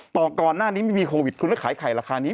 ก่อนหน้านี้ไม่มีโควิดคุณก็ขายไข่ราคานี้